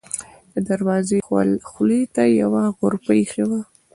د دروازې خولې ته یوه غرفه اېښې وه.